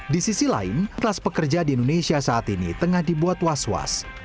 di sisi lain ras pekerja di indonesia saat ini tengah dibuat was was